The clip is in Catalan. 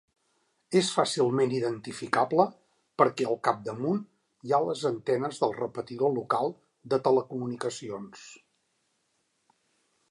És fàcilment identificable perquè al capdamunt hi ha les antenes del repetidor local de telecomunicacions.